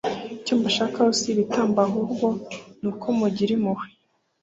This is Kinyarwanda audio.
‘icyo mbashakaho si ibitambo, ahubwo ni uko mugira impuhwe’